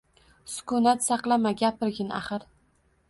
Sukunat saqlama gapirgin axir